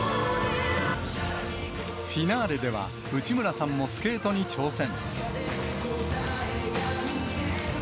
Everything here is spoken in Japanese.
フィナーレでは、内村さんもスケートに挑戦。